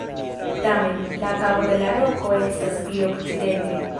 Tamen, la Kabo de la Roko estas pli okcidente.